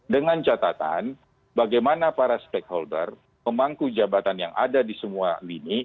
dengan catatan bagaimana para stakeholder pemangku jabatan yang ada di semua lini